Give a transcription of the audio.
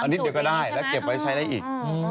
นิดเดียวก็ได้แล้วเก็บไว้ใช้ได้อีก